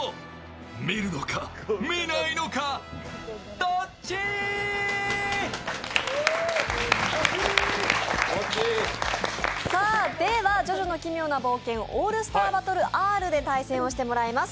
どん兵衛では「ジョジョの奇妙な冒険オールスターバトルＲ」で対戦してもらいます。